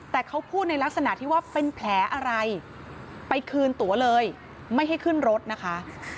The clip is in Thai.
แต่เขาพูดในลักษณะที่ว่าเป็นแผลอะไรไปคืนตัวเลยไม่ให้ขึ้นรถนะคะ